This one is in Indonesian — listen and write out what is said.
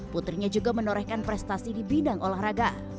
putrinya juga menorehkan prestasi di bidang olahraga